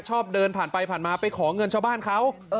เดินผ่านไปผ่านมาไปขอเงินชาวบ้านเขา